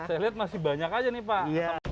saya lihat masih banyak aja nih pak